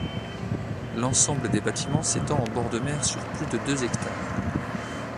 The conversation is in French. L'ensemble des bâtiments s'étend en bord de mer sur plus de deux hectares.